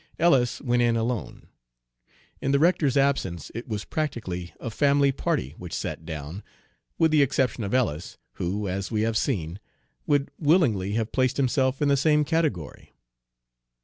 Ellis went in alone. In the rector's absence it was practically a family party which sat down, with the exception of Ellis, who, as we have seen, would willingly have placed himself in the same category.